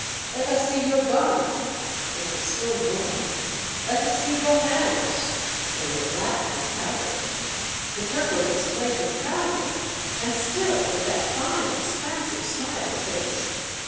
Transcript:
" Let us see your gun." It was still warm. " Let us see your hands." They were black with powder. The turco dis played them proudly, and still with that fine expan sive smile of his.